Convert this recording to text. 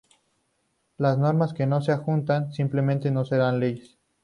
Las normas que no se ajustan simplemente no serán ley.